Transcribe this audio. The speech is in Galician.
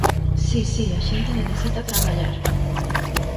Si, si, a xente necesita traballar.